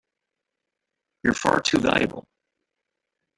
You're far too valuable!